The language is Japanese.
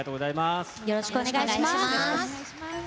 よろしくお願いします。